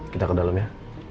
kita ke dalam ya